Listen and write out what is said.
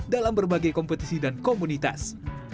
dalam berbagai kompetisi dan komunitas